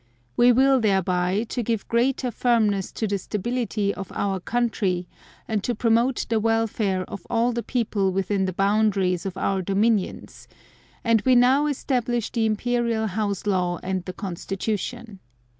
We will thereby to give greater firmness to the stability of Our country and to promote the welfare of all the people within the boundaries of Our dominions; and We now establish the Imperial House Law and the Constitution.